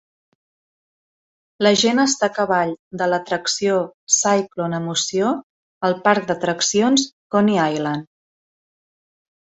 La gent està a cavall de la atracció Cyclone emoció al parc d'atraccions Coney Island.